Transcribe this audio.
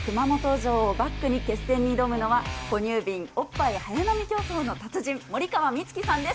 この熊本城をバックに決戦に挑むのは、ほ乳瓶おっぱい早飲み競争の達人、森川未月さんです。